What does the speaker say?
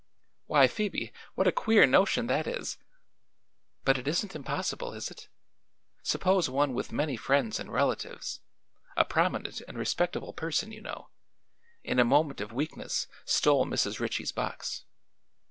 "Why, Phoebe, what a queer notion that is!" "But it isn't impossible, is it? Suppose one with many friends and relatives a prominent and respectable person, you know in a moment of weakness stole Mrs. Ritchie's box.